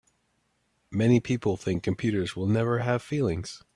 Many people think computers will never have feelings.